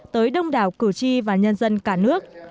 tới đông đảo cử tri và nhân dân cả nước